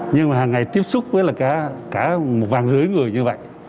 nhưng mà hằng ngày tiếp xúc với cả một vàng rưỡi người như vậy